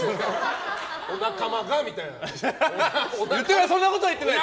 お仲間がみたいな。